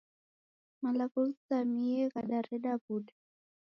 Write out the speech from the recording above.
Malagho ghizamie ghadareda w'uda.